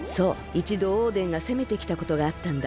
いちどオーデンがせめてきたことがあったんだ。